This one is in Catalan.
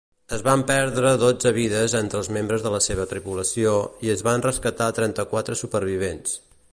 Es van perdre dotze vides entre els membres de la seva tripulació i es van rescatar trenta-quatre supervivents.